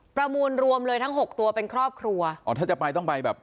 ประมูลรวมเลยทั้งหกตัวเป็นครอบครัวอ๋อถ้าจะไปต้องไปแบบ